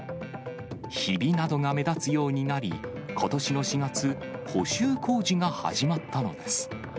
ひびなどが目立つようになり、ことしの４月、補修工事が始まったのです。